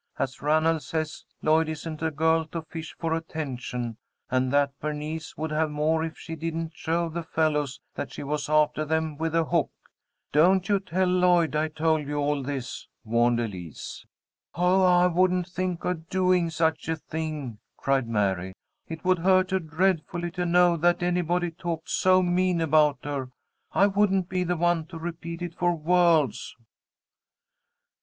As Ranald says Lloyd isn't a girl to fish for attention, and that Bernice would have more if she didn't show the fellows that she was after them with a hook. Don't you tell Lloyd I told you all this," warned Elise. "Oh, I wouldn't think of doing such a thing!" cried Mary. "It would hurt her dreadfully to know that anybody talked so mean about her. I wouldn't be the one to repeat it, for worlds!"